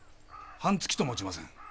半月ともちません。